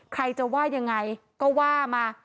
ใครจะว่ายังไงก็ว่ามา